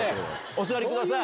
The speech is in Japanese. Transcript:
お座りください。